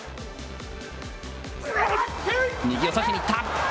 右を差しに行った。